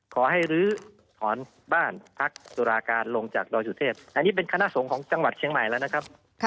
ขอให้ลื้อถอนบ้านพักตุลาการลงจากดอยสุเทพอันนี้เป็นคณะสงฆ์ของจังหวัดเชียงใหม่แล้วนะครับ